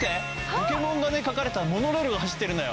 ポケモンが描かれたモノレールが走ってるのよ。